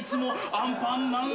「アンパンマン！」